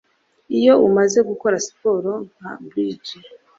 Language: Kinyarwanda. iyo umaze gukora siporo nka bridges